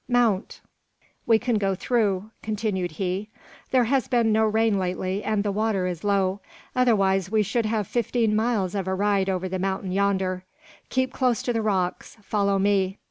"Mount! we can go through," continued he. "There has been no rain lately, and the water is low, otherwise we should have fifteen miles of a ride over the mountain yonder. Keep close to the rocks! Follow me!"